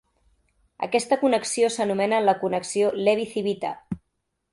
Aquesta connexió s'anomena la connexió Levi-Civita.